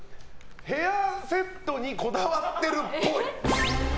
ヘアセットにこだわってるっぽい。